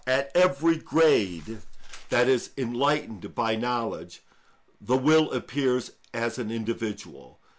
At every grade that is enlightened by knowledge, the will appears as an individual.